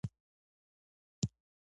له غلام د همیشه ژوند نه ښه دی.